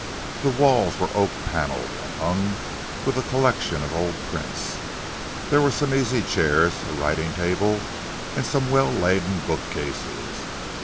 The walls were oak panelled, and hung with a collection of old prints. There were some easy chairs, a writing table, and some well laden bookcases.